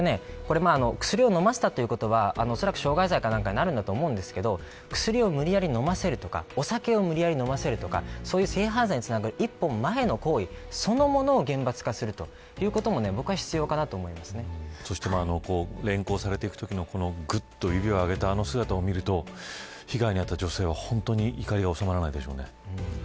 薬を飲ませたということはおそらく傷害罪何かになると思うんですが薬を無理やり飲ませるとかお酒を無理やり飲ませるとかそういう、性犯罪につながる一歩前の行為そのものを厳罰化することも連行されていくときのぐっと指を上げたあの姿を見ると被害に遭った女性は本当に怒りが納まらないでしょうね。